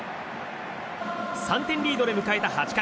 ３点リードで迎えた８回。